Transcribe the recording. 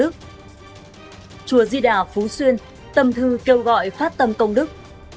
chùa di đà phú xuyên tâm thư kêu gọi phát tâm công đức